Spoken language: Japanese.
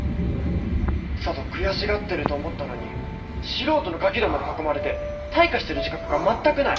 さぞ悔しがってると思ったのに素人のガキどもに囲まれて退化してる自覚がまったくない。